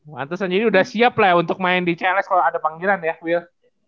pantesan jadi udah siap lah untuk main di cls kalo ada panggilan ya wil